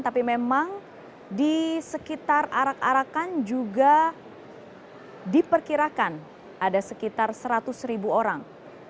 tapi memang di sekitar arak arakan juga diperkirakan ada sekitar seratus ribu orang